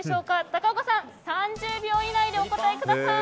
高岡さん、３０秒以内でお答えください。